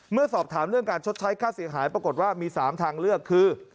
เมื่อสอบถามเรื่องการชดใช้ค่าเสียหายปรากฏว่ามี๓ทางเลือกคือ